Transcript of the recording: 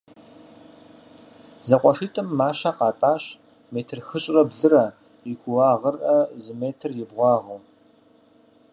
Зэкъуэшитӏым мащэ къатӏащ метр хыщӏрэ блырэ и кууагърэ зы метр и бгъуагъыу.